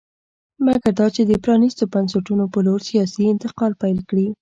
مګر دا چې د پرانېستو بنسټونو په لور سیاسي انتقال پیل کړي